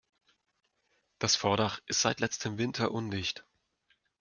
Das Vordach ist seit letztem Winter undicht.